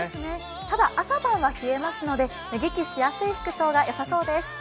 ただ、朝晩は冷えますので、脱ぎ着しやすい服装がよさそうです。